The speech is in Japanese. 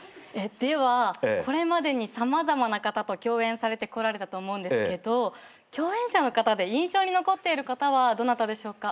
ではこれまでに様々な方と共演されてこられたと思うんですけど共演者の方で印象に残っている方はどなたでしょうか？